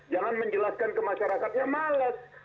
jangan menjelaskan ke masyarakatnya malas